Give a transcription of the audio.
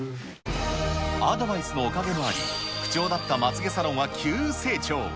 アドバイスのおかげもあり、不調だったまつげサロンは急成長。